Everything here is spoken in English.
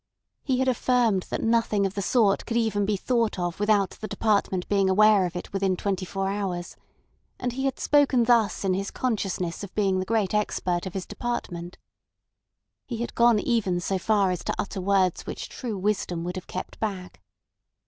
He had affirmed that nothing of the sort could even be thought of without the department being aware of it within twenty four hours; and he had spoken thus in his consciousness of being the great expert of his department. He had gone even so far as to utter words which true wisdom would have kept back.